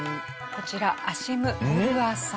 こちらアシム・ボルアさん。